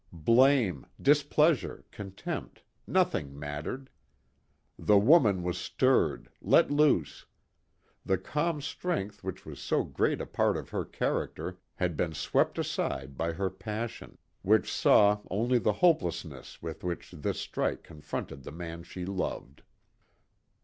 Blame, displeasure, contempt, nothing mattered. The woman was stirred, let loose; the calm strength which was so great a part of her character, had been swept aside by her passion, which saw only the hopelessness with which this strike confronted the man she loved.